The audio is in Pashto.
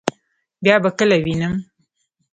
بیا به کله وینم؟